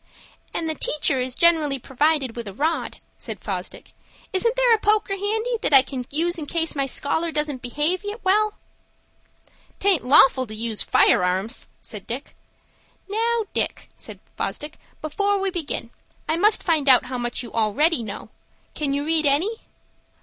"And the teacher is generally provided with a rod," said Fosdick. "Isn't there a poker handy, that I can use in case my scholar doesn't behave well?" "'Taint lawful to use fire arms," said Dick. "Now, Dick," said Fosdick, "before we begin, I must find out how much you already know. Can you read any?"